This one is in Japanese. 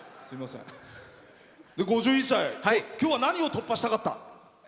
５１歳、きょうは何を突破したかった？